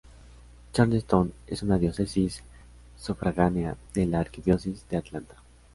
Charleston es una diócesis sufragánea de la Arquidiócesis de Atlanta.